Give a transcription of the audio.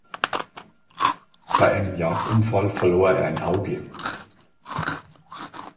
Bei einem Jagdunfall verlor er ein Auge.